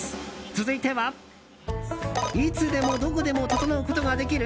続いては、いつでもどこでもととのうことができる？